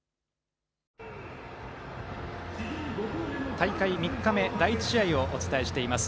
大会３日目第１試合をお伝えします。